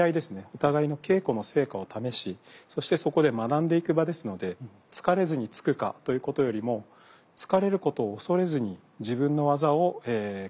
お互いの稽古の成果を試しそしてそこで学んでいく場ですので突かれずに突くかということよりも突かれることを恐れずに自分の技を繰り出していく。